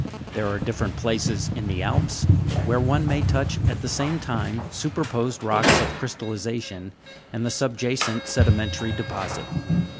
There are different places in the Alps, where one may touch at the same time, superposed rocks of crystallization and the subjacent sedimentary deposit.